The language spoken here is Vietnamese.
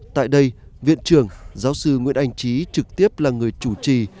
tại đây viện trưởng giáo sư nguyễn anh trí trực tiếp là người chủ trì